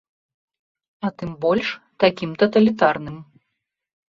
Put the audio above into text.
А тым больш такім таталітарным.